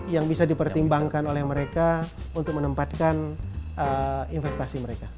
yang bisa dipertimbangkan oleh mereka untuk menempatkan investasi mereka